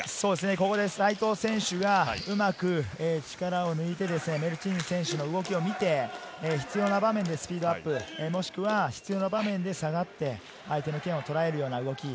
ここで西藤選手がうまく力を抜いてメルチーヌ選手の動きを見て、必要な場面でスピードアップもしくは必要な場面で下がって相手の剣をとらえるような動き。